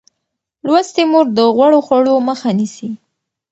لوستې مور د غوړو خوړو مخه نیسي.